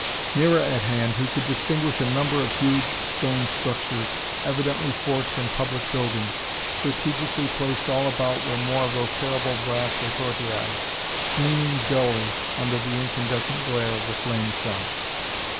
Nearer at hand he could distinguish a number of huge stone structures, evidently forts and public buildings. Strategically placed all about were more of those terrible brass retortii, gleaming dully under the incandescent glare of the flame sun.